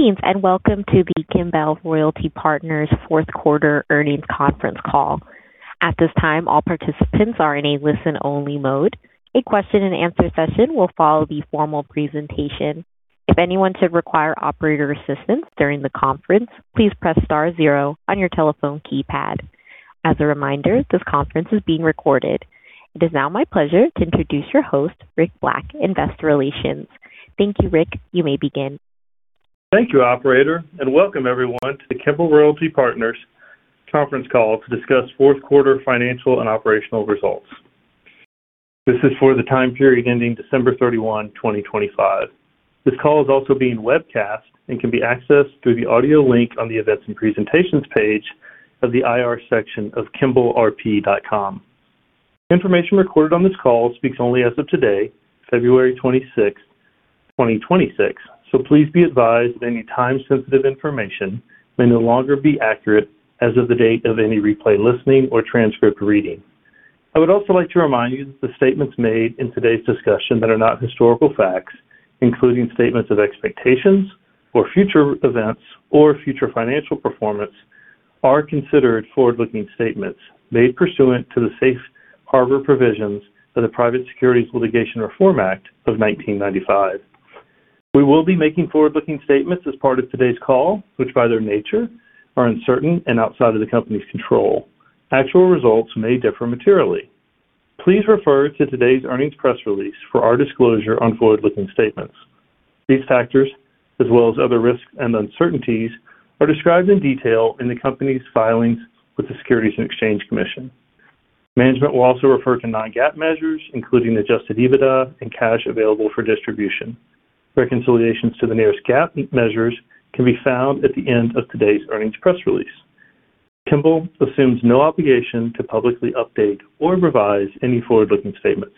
Good evening, welcome to the Kimbell Royalty Partners fourth quarter earnings conference call. At this time, all participants are in a listen-only mode. A question-and-answer session will follow the formal presentation. If anyone should require operator assistance during the conference, please press star zero on your telephone keypad. As a reminder, this conference is being recorded. It is now my pleasure to introduce your host, Rick Black, Investor Relations. Thank you, Rick. You may begin. Thank you, operator. Welcome everyone to the Kimbell Royalty Partners conference call to discuss fourth quarter financial and operational results. This is for the time period ending December 31, 2025. This call is also being webcast and can be accessed through the audio link on the Events and Presentations page of the IR section of kimbellrp.com. Information recorded on this call speaks only as of today, February 26th, 2026. Please be advised that any time-sensitive information may no longer be accurate as of the date of any replay listening or transcript reading. I would also like to remind you that the statements made in today's discussion that are not historical facts, including statements of expectations or future events or future financial performance, are considered forward-looking statements made pursuant to the Safe Harbor Provisions of the Private Securities Litigation Reform Act of 1995. We will be making forward-looking statements as part of today's call, which, by their nature, are uncertain and outside of the company's control. Actual results may differ materially. Please refer to today's earnings press release for our disclosure on forward-looking statements. These factors, as well as other risks and uncertainties, are described in detail in the company's filings with the Securities and Exchange Commission. Management will also refer to non-GAAP measures, including Adjusted EBITDA and cash available for distribution. Reconciliations to the nearest GAAP measures can be found at the end of today's earnings press release. Kimbell assumes no obligation to publicly update or revise any forward-looking statements.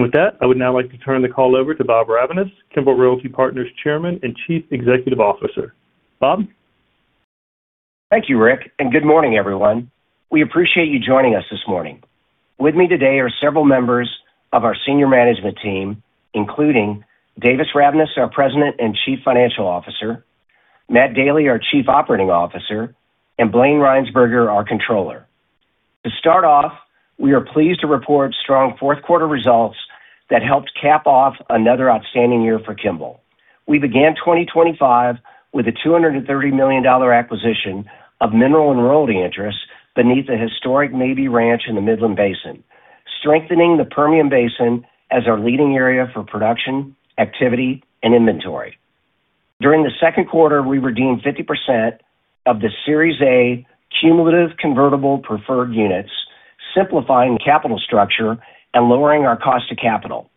With that, I would now like to turn the call over to Bob Ravnaas, Kimbell Royalty Partners Chairman and Chief Executive Officer. Bob? Thank you, Rick. Good morning, everyone. We appreciate you joining us this morning. With me today are several members of our senior management team, including Davis Ravnaas, our President and Chief Financial Officer, Matt Daly, our Chief Operating Officer, and Blayne Rhynsburger, our Controller. To start off, we are pleased to report strong fourth quarter results that helped cap off another outstanding year for Kimbell. We began 2025 with a $230 million acquisition of mineral and royalty interests beneath the historic Mabee Ranch in the Midland Basin, strengthening the Permian Basin as our leading area for production, activity, and inventory. During the second quarter, we redeemed 50% of the Series A Cumulative Convertible Preferred Units, simplifying the capital structure and lowering our cost to capital.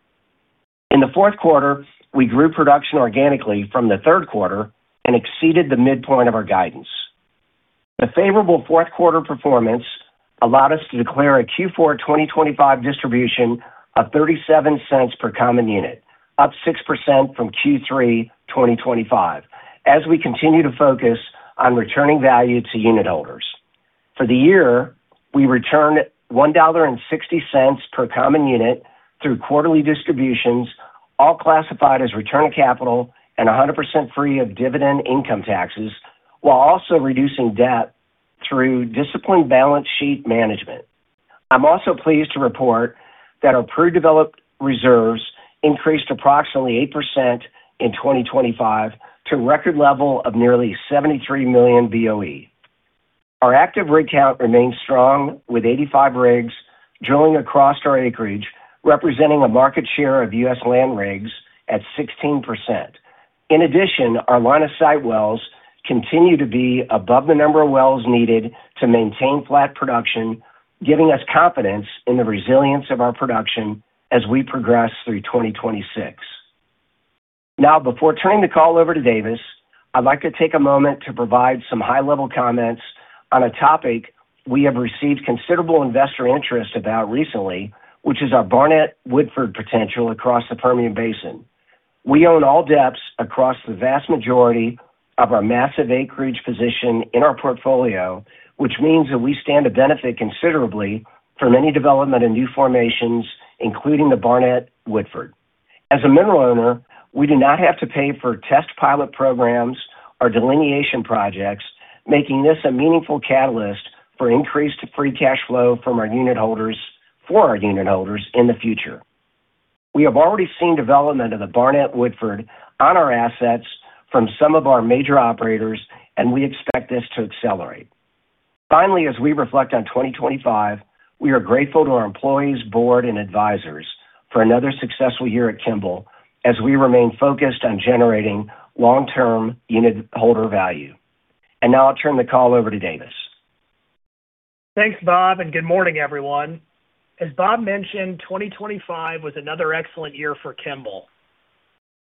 In the fourth quarter, we grew production organically from the third quarter and exceeded the midpoint of our guidance. The favorable fourth quarter performance allowed us to declare a Q4 2025 distribution of $0.37 per common unit, up 6% from Q3 2025, as we continue to focus on returning value to unitholders. For the year, we returned $1.60 per common unit through quarterly distributions, all classified as return of capital and 100% free of dividend income taxes, while also reducing debt through disciplined balance sheet management. I'm also pleased to report that our proved developed reserves increased approximately 8% in 2025 to a record level of nearly 73 million BOE. Our active rig count remains strong, with 85 rigs drilling across our acreage, representing a market share of U.S. land rigs at 16%. In addition, our line of sight wells continue to be above the number of wells needed to maintain flat production, giving us confidence in the resilience of our production as we progress through 2026. Before turning the call over to Davis, I'd like to take a moment to provide some high-level comments on a topic we have received considerable investor interest about recently, which is our Barnett Woodford potential across the Permian Basin. We own all depths across the vast majority of our massive acreage position in our portfolio, which means that we stand to benefit considerably from any development in new formations, including the Barnett Woodford. As a mineral owner, we do not have to pay for test pilot programs or delineation projects, making this a meaningful catalyst for increased free cash flow for our unit holders in the future. We have already seen development of the Woodford Barnett on our assets from some of our major operators, and we expect this to accelerate. Finally, as we reflect on 2025, we are grateful to our employees, board, and advisors for another successful year at Kimbell as we remain focused on generating long-term unit holder value. Now I'll turn the call over to Davis. Thanks, Bob. Good morning, everyone. As Bob mentioned, 2025 was another excellent year for Kimbell.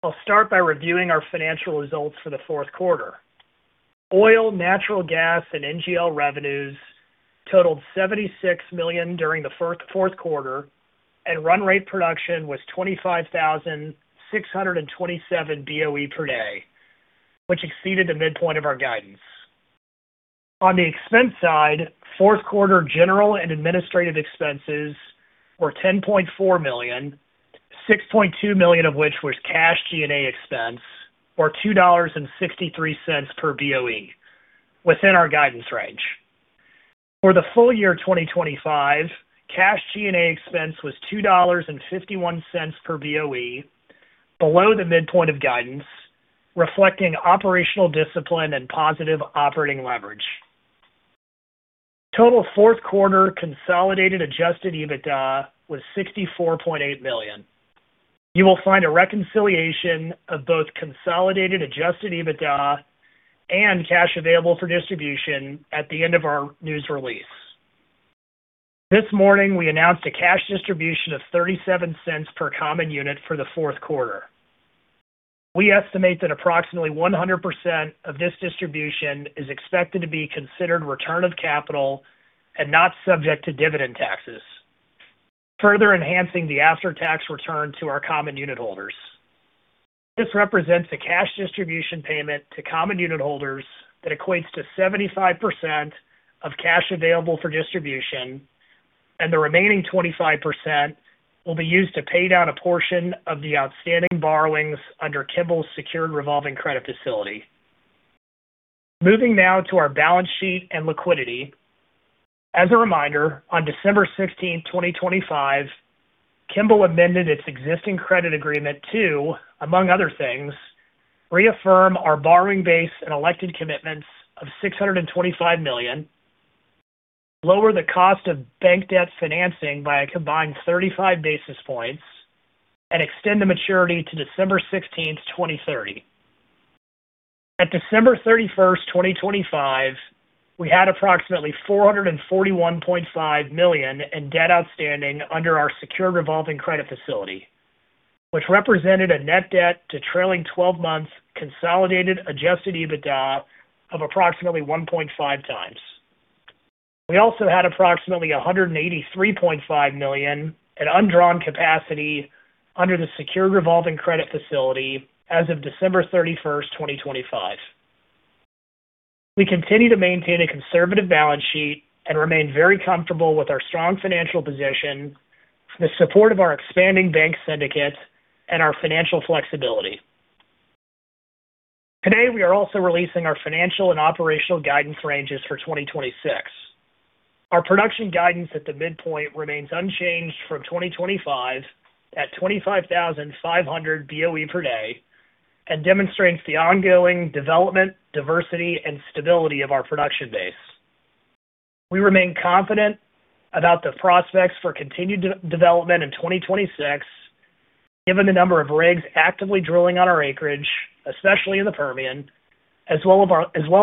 I'll start by reviewing our financial results for the fourth quarter. Oil, natural gas, and NGL revenues totaled $76 million during the fourth quarter, and run rate production was 25,627 BOE per day, which exceeded the midpoint of our guidance. On the expense side, fourth quarter general and administrative expenses were $10.4 million, $6.2 million of which was cash G&A expense, or $2.63 per BOE, within our guidance range. For the full year 2025, cash G&A expense was $2.51 per BOE, below the midpoint of guidance, reflecting operational discipline and positive operating leverage. Total fourth quarter consolidated Adjusted EBITDA was $64.8 million. You will find a reconciliation of both consolidated Adjusted EBITDA and cash available for distribution at the end of our news release. This morning, we announced a cash distribution of $0.37 per common unit for the fourth quarter. We estimate that approximately 100% of this distribution is expected to be considered return of capital and not subject to dividend taxes, further enhancing the after-tax return to our common unit holders. This represents a cash distribution payment to common unit holders that equates to 75% of cash available for distribution, and the remaining 25% will be used to pay down a portion of the outstanding borrowings under Kimbell's secured revolving credit facility. Moving now to our balance sheet and liquidity. As a reminder, on December 16th, 2025, Kimbell amended its existing credit agreement to, among other things, reaffirm our borrowing base and elected commitments of $625 million, lower the cost of bank debt financing by a combined 35 basis points, and extend the maturity to December 16th, 2030. At December 31st, 2025, we had approximately $441.5 million in debt outstanding under our secured revolving credit facility, which represented a net debt to trailing twelve month consolidated Adjusted EBITDA of approximately 1.5 times. We also had approximately $183.5 million in undrawn capacity under the secured revolving credit facility as of December 31st, 2025. We continue to maintain a conservative balance sheet and remain very comfortable with our strong financial position, the support of our expanding bank syndicate, and our financial flexibility. Today, we are also releasing our financial and operational guidance ranges for 2026. Our production guidance at the midpoint remains unchanged from 2025, at 25,500 BOE per day and demonstrates the ongoing development, diversity, and stability of our production base. We remain confident about the prospects for continued development in 2026, given the number of rigs actively drilling on our acreage, especially in the Permian, as well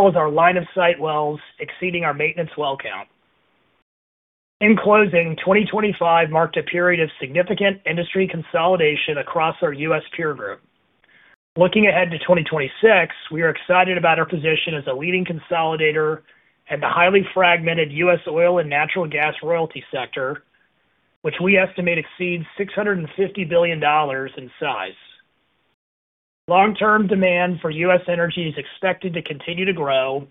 as our line of sight wells exceeding our maintenance well count. In closing, 2025 marked a period of significant industry consolidation across our U.S. peer group. Looking ahead to 2026, we are excited about our position as a leading consolidator in the highly fragmented U.S. oil and natural gas royalty sector, which we estimate exceeds $650 billion in size. Long-term demand for U.S. energy is expected to continue to grow,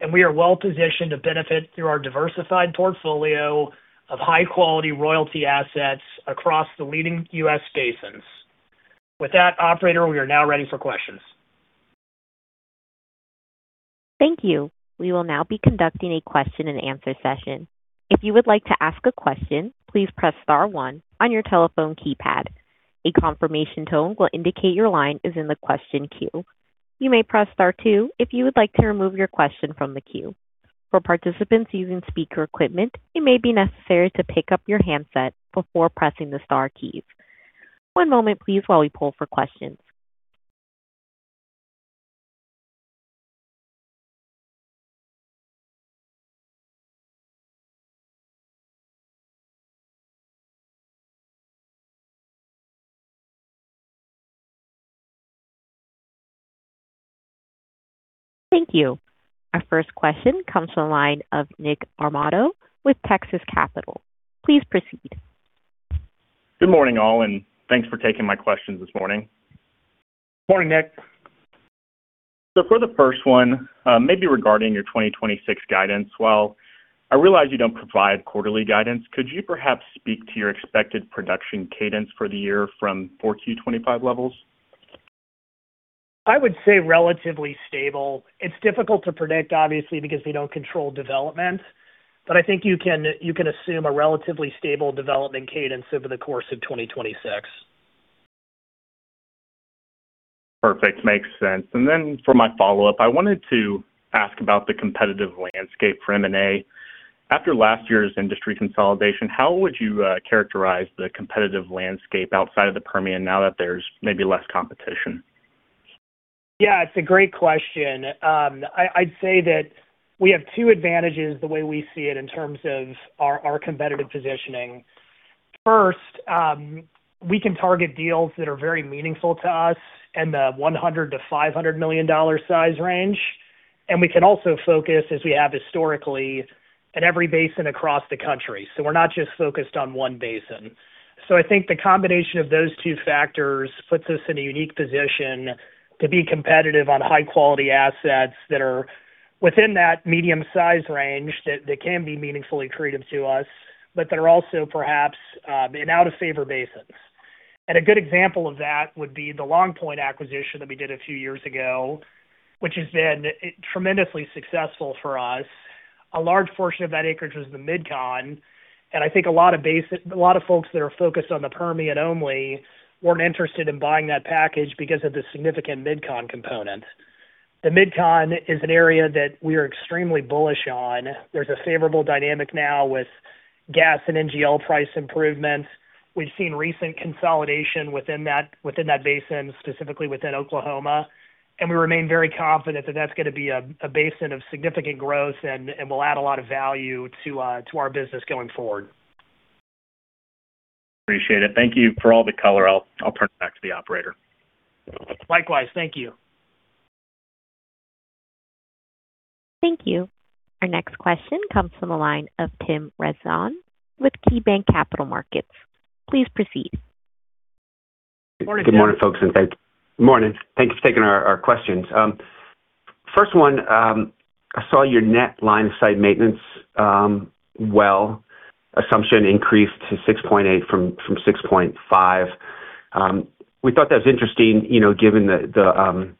and we are well positioned to benefit through our diversified portfolio of high-quality royalty assets across the leading U.S. basins. With that, operator, we are now ready for questions. Thank you. We will now be conducting a question-and-answer session. If you would like to ask a question, please press star one on your telephone keypad. A confirmation tone will indicate your line is in the question queue. You may press star two if you would like to remove your question from the queue. For participants using speaker equipment, it may be necessary to pick up your handset before pressing the star keys. One moment, please, while we pull for questions. Thank you. Our first question comes from the line of Nick Armato with Texas Capital. Please proceed. Good morning, all, and thanks for taking my questions this morning. Morning, Nick. For the first one, maybe regarding your 2026 guidance. While I realize you don't provide quarterly guidance, could you perhaps speak to your expected production cadence for the year from 4Q 2025 levels? I would say relatively stable. It's difficult to predict, obviously, because we don't control development, but I think you can assume a relatively stable development cadence over the course of 2026. Perfect. Makes sense. For my follow-up, I wanted to ask about the competitive landscape for M&A. After last year's industry consolidation, how would you characterize the competitive landscape outside of the Permian now that there's maybe less competition? Yeah, it's a great question. I'd say that we have two advantages, the way we see it, in terms of our competitive positioning. First, we can target deals that are very meaningful to us in the $100 million-$500 million size range, and we can also focus, as we have historically, in every basin across the country. We're not just focused on one basin. I think the combination of those two factors puts us in a unique position to be competitive on high-quality assets that are within that medium size range, that can be meaningfully accretive to us, but that are also perhaps in out-of-favor basins. A good example of that would be the LongPoint Minerals acquisition that we did a few years ago, which has been tremendously successful for us. A large portion of that acreage was the MidCon. I think a lot of folks that are focused on the Permian only weren't interested in buying that package because of the significant MidCon component. The MidCon is an area that we are extremely bullish on. There's a favorable dynamic now with gas and NGL price improvements. We've seen recent consolidation within that basin, specifically within Oklahoma. We remain very confident that that's gonna be a basin of significant growth and will add a lot of value to our business going forward. Appreciate it. Thank you for all the color. I'll turn it back to the operator. Likewise. Thank you. Thank you. Our next question comes from the line of Tim Rezvan with KeyBanc Capital Markets. Please proceed. Good morning, folks. Good morning. Thanks for taking our questions. First one, I saw your net line-of-sight maintenance well assumption increased to 6.8 from 6.5. We thought that was interesting, you know, given the,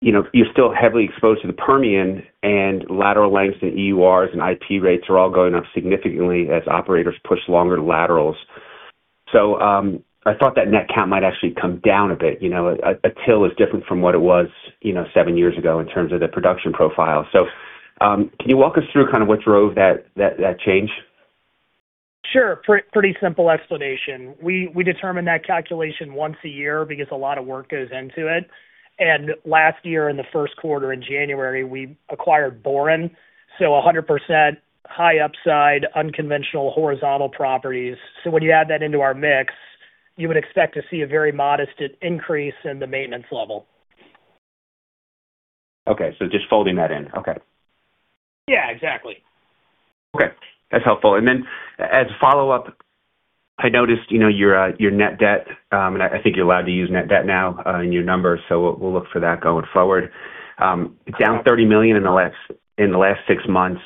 you know, you're still heavily exposed to the Permian and lateral lengths and EURs and IP rates are all going up significantly as operators push longer laterals. I thought that net count might actually come down a bit. You know, a well is different from what it was, you know, seven years ago in terms of the production profile. Can you walk us through kind of what drove that change? Sure. Pretty simple explanation. We determine that calculation once a year because a lot of work goes into it. Last year, in the first quarter, in January, we acquired Boren Resources, so a 100% high upside, unconventional, horizontal properties. When you add that into our mix, you would expect to see a very modest increase in the maintenance level. Okay. Just folding that in. Okay. Yeah, exactly. Okay, that's helpful. Then as a follow-up, I noticed, you know, your net debt, and I think you're allowed to use net debt now, in your numbers, so we'll look for that going forward. Down $30 million in the last six months.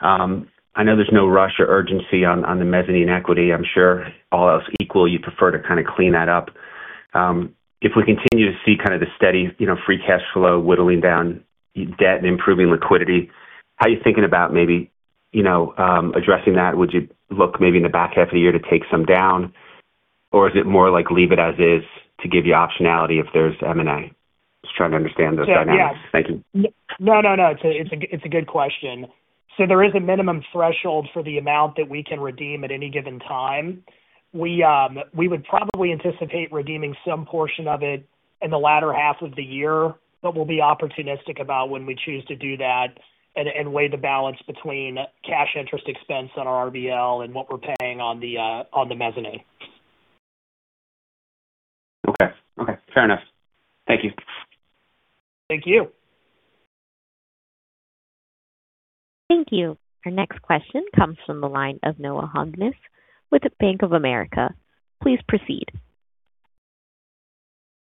I know there's no rush or urgency on the mezzanine equity. I'm sure all else equal, you prefer to kind of clean that up. If we continue to see kind of the steady, you know, free cash flow, whittling down debt and improving liquidity, how are you thinking about maybe, you know, addressing that? Would you look maybe in the back half of the year to take some down, or is it more like leave it as is to give you optionality if there's M&A? Just trying to understand those dynamics. Thank you. No, no. It's a good question. There is a minimum threshold for the amount that we can redeem at any given time. We would probably anticipate redeeming some portion of it in the latter half of the year, we'll be opportunistic about when we choose to do that and weigh the balance between cash interest expense on our RBL and what we're paying on the mezzanine. Okay. Okay, fair enough. Thank you. Thank you. Thank you. Our next question comes from the line of Noah Hungness with Bank of America. Please proceed.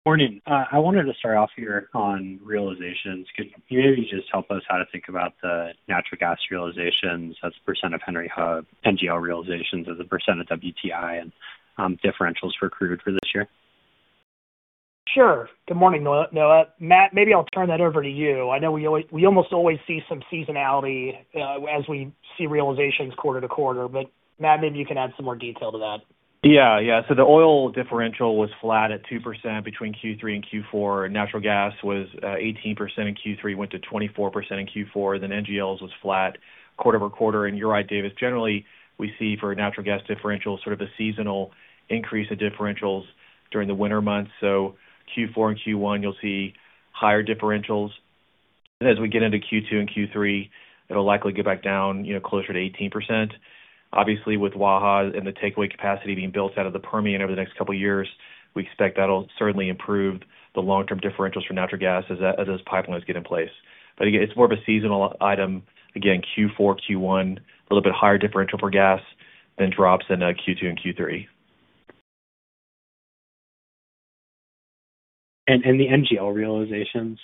Morning. I wanted to start off here on realizations. Could you maybe just help us how to think about the natural gas realizations as a % of Henry Hub, NGL realizations as a % of WTI, and differentials for crude for this year? Sure. Good morning, Noah. Matt, maybe I'll turn that over to you. I know we almost always see some seasonality, as we see realizations quarter to quarter, but Matt, maybe you can add some more detail to that. Yeah. Yeah. The oil differential was flat at 2% between Q3 and Q4, and natural gas was 18% in Q3, went to 24% in Q4, then NGLs was flat quarter-over-quarter. You're right, Davis, generally, we see for a natural gas differential, sort of a seasonal increase in differentials during the winter months. So Q4 and Q1, you'll see higher differentials. As we get into Q2 and Q3, it'll likely get back down, you know, closer to 18%. Obviously, with Waha and the takeaway capacity being built out of the Permian over the next couple of years, we expect that'll certainly improve the long-term differentials for natural gas as that, as those pipelines get in place. Again, it's more of a seasonal item. Again, Q4, Q1, a little bit higher differential for gas than drops in Q2 and Q3. The NGL realizations,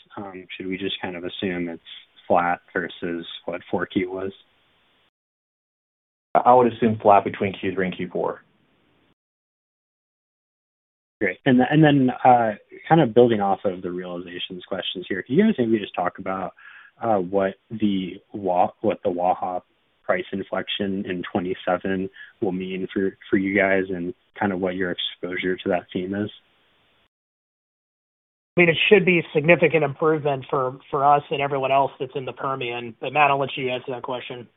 should we just kind of assume it's flat versus what four Q was? I would assume flat between Q3 and Q4. Great. Then, kind of building off of the realizations questions here, can you maybe just talk about, what the Waha price inflection in 2027 will mean for you guys and kind of what your exposure to that theme is? I mean, it should be a significant improvement for us and everyone else that's in the Permian. Matt, I'll let you answer that question.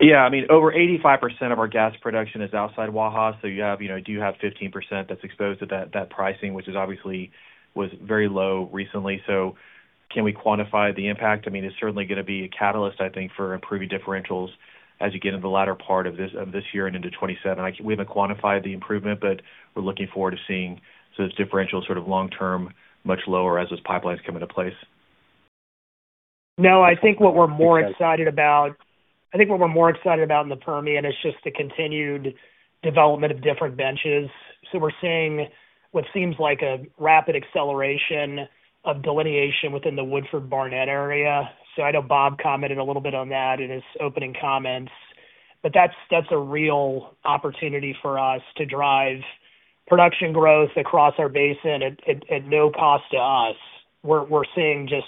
Yeah. I mean, over 85% of our gas production is outside Waha, so you have, you know, do have 15% that's exposed to that pricing, which is obviously was very low recently. Can we quantify the impact? I mean, it's certainly gonna be a catalyst, I think, for improving differentials as you get in the latter part of this, of this year and into 2027. We haven't quantified the improvement, but we're looking forward to seeing those differentials sort of long term, much lower as those pipelines come into place. I think what we're more excited about in the Permian is just the continued development of different benches. We're seeing what seems like a rapid acceleration of delineation within the Woodford Barnett area. I know Bob commented a little bit on that in his opening comments, but that's a real opportunity for us to drive production growth across our basin at no cost to us. We're seeing just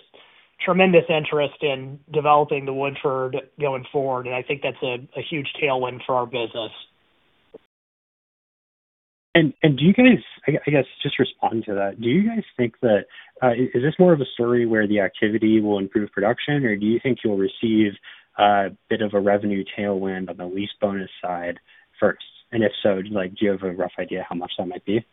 tremendous interest in developing the Woodford going forward, I think that's a huge tailwind for our business. Just responding to that, do you guys think that is this more of a story where the activity will improve production, or do you think you'll receive a bit of a revenue tailwind on the lease bonus side first? And if so, like, do you have a rough idea how much that might be?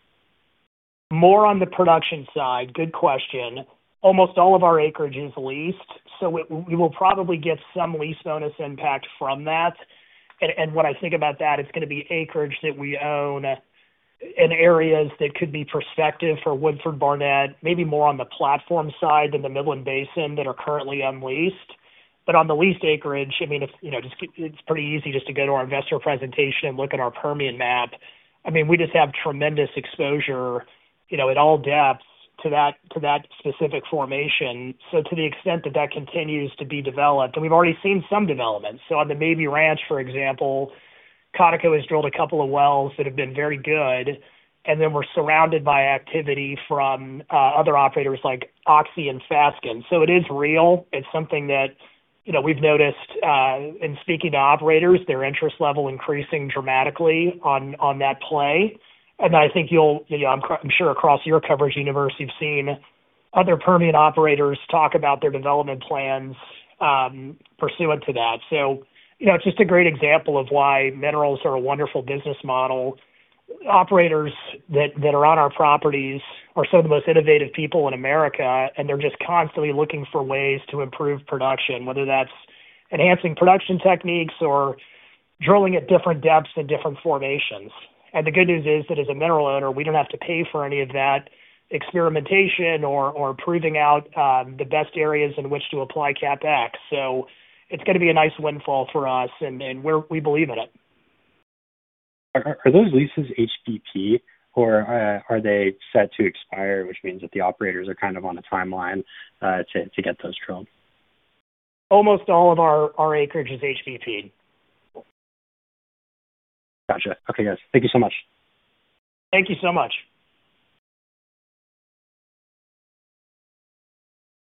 More on the production side. Good question. Almost all of our acreage is leased, so we will probably get some lease bonus impact from that. When I think about that, it's gonna be acreage that we own in areas that could be prospective for Woodford Barnett, maybe more on the platform side than the Midland Basin, that are currently unleased. On the leased acreage, I mean, if, you know, just it's pretty easy just to go to our investor presentation and look at our Permian map. I mean, we just have tremendous exposure, you know, at all depths to that specific formation. To the extent that that continues to be developed, and we've already seen some development. On the Mabee Ranch, for example, ConocoPhillips has drilled a couple of wells that have been very good, and then we're surrounded by activity from other operators like Oxy and Fasken. It is real. It's something that, you know, we've noticed in speaking to operators, their interest level increasing dramatically on that play. I think you'll, you know, I'm sure across your coverage universe, you've seen other Permian operators talk about their development plans pursuant to that. You know, it's just a great example of why minerals are a wonderful business model. Operators that are on our properties are some of the most innovative people in America, and they're just constantly looking for ways to improve production, whether that's enhancing production techniques or drilling at different depths in different formations. The good news is that as a mineral owner, we don't have to pay for any of that experimentation or proving out, the best areas in which to apply CapEx. It's gonna be a nice windfall for us, and we believe in it. Are those leases HBP, or are they set to expire, which means that the operators are kind of on a timeline to get those drilled? Almost all of our acreage is HBP. Gotcha. Okay, guys. Thank you so much. Thank you so much.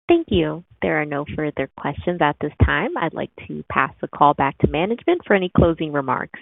Thank you. There are no further questions at this time. I'd like to pass the call back to management for any closing remarks.